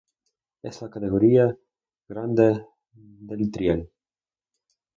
Es la categoría grande del trial.